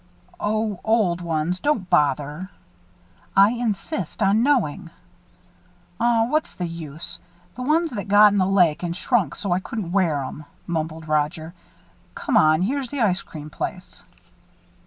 "Oh, old ones don't bother." "I insist on knowing." "Aw, what's the use the ones that got in the lake and shrunk so I couldn't wear 'em," mumbled Roger. "Come on, here's the ice cream place."